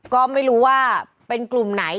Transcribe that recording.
ก็ไม่รู้ว่าเป็นกลุ่มไหน